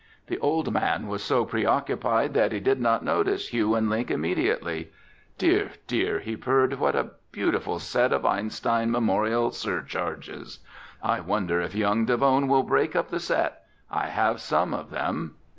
The old man was so preoccupied that he did not notice Hugh and Link immediately. "Dear, dear," he purred, "what a beautiful set of Einstein memorial surcharges! I wonder if young Davone will break up the set? I have some of them."